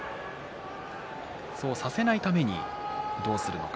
そうさせないためにどうするのか。